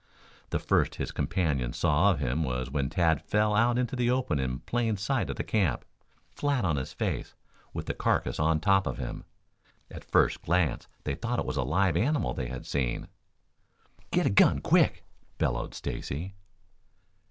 The first his companions saw of him was when Tad fell out into the open in plain sight of the camp, flat on his face, with the carcass on top of him. At first glance they thought it was a live animal they had seen. "Get a gun, quick!" bellowed Stacy.